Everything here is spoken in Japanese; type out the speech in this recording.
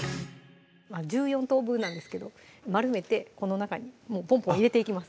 １４等分なんですけど丸めてこの中にもうポンポン入れていきます